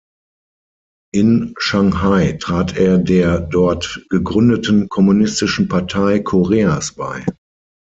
In Shanghai trat er der dort gegründeten Kommunistischen Partei Koreas bei.